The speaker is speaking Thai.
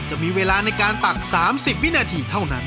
จะมีเวลาในการตัก๓๐วินาทีเท่านั้น